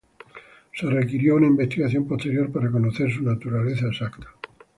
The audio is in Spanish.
Se requirió una investigación posterior para conocer su naturaleza exacta.